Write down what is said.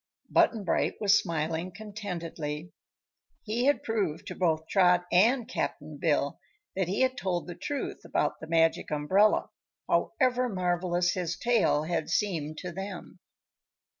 Button Bright was smiling contentedly. He had proved to both Trot and Cap'n Bill that he had told the truth about the Magic Umbrella, however marvelous his tale had seemed to them.